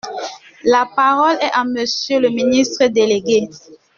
La parole est à Monsieur le ministre délégué.